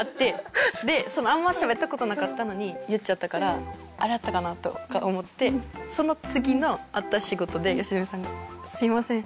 あんましゃべった事なかったのに言っちゃったからあれだったかなとか思ってその次の会った仕事で吉住さんが「すいません。